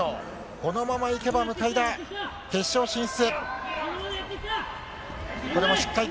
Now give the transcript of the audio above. このままいけば向田、決勝進出。